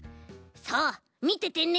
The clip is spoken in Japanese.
さあみててね。